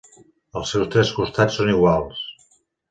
Els seus tres costats són iguals.